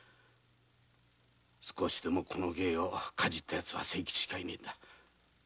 少しでもこの芸をかじったヤツは清吉しかいねぇんだ。